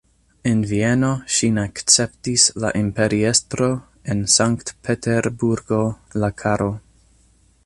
En Vieno ŝin akceptis la imperiestro, en Sankt-Peterburgo la caro.